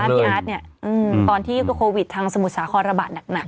หรือไหมอาร์ทเนี้ยอืมตอนที่ด้วยโควิดทางสมุทรสาขอระบาดหนักหนัก